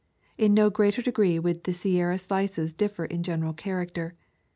In no greater degree would the Sierra slices differ in general character.